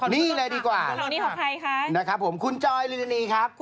นี่เลยดีกว่าครับผมคุณจอยริรินีครับ